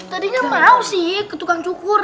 tadinya mau sih ketukang cukur